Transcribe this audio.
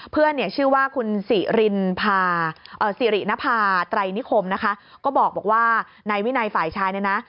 เพื่อนเนี่ยชื่อว่าคุณสิรินพาสิรินภาไตรนิคมนะคะก็บอกว่านายวินัยฝ่ายชายเนี่ยนะ